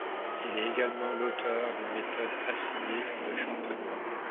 Il est également l'auteur d'une méthode Assimil de champenois.